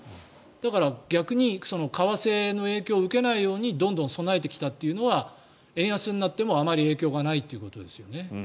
だから、逆に為替の影響を受けないようにどんどん備えてきたというのは円安になってもあまり影響がないということですよね。